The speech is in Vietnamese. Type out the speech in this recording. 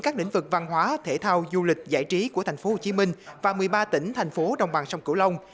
các lĩnh vực văn hóa thể thao du lịch giải trí của tp hcm và một mươi ba tỉnh thành phố đồng bằng sông cửu long